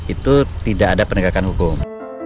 itu tidak ada penegakan hukum